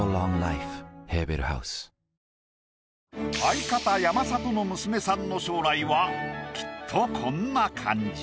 相方山里の娘さんの将来はきっとこんな感じ。